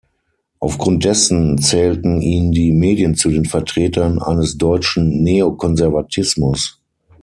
Aufgrund dessen zählten ihn die Medien zu den Vertretern eines deutschen Neokonservatismus.